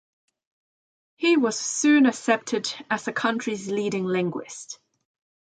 He was soon accepted as the country's leading linguist.